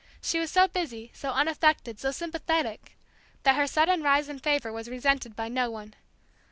She was so busy, so unaffected, so sympathetic, that her sudden rise in favor was resented by no one.